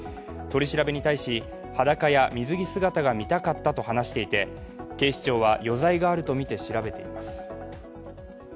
取り調べに対し、裸や水着姿が見たかったと話していて警視庁は余罪があるとみて調べています。